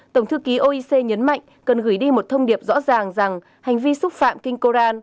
tổng thư ký oec nhấn mạnh cần gửi đi một thông điệp rõ ràng rằng hành vi xúc phạm kinh koran